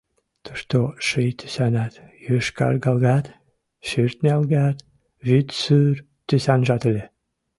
Тушто ший тӱсанат, йошкаргалгат, шӧртнялгат, вӱд-сур тӱсанжат ыле.